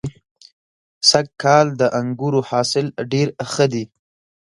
سږ کال د انګورو حاصل ډېر ښه دی.